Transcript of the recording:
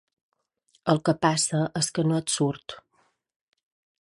El que passa és que no et surt.